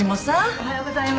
おはようございます。